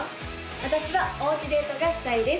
私はおうちデートがしたいです